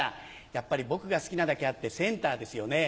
やっぱり僕が好きなだけあってセンターですよね。